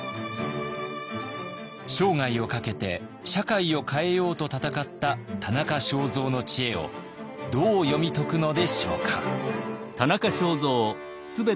生涯をかけて社会を変えようと闘った田中正造の知恵をどう読み解くのでしょうか。